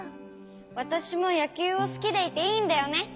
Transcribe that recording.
わたしもやきゅうをすきでいていいんだよね。